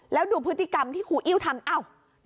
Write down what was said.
แล้วดูพฤติกรรมที่ครูอิ้วทำอ้าว